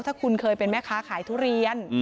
ถ้าคุณเคยเป็นแม่ค้าขายทุเรียน